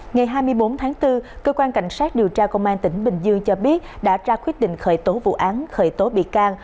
ngày hai mươi bốn tháng bốn cơ quan cảnh sát điều tra công an tỉnh bình dương cho biết đã ra quyết định khởi tố vụ án khởi tố bị can